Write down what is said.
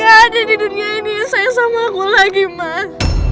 gak ada di dunia ini ya saya sama aku lagi mas